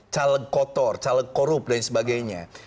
caleg kotor caleg korup dan sebagainya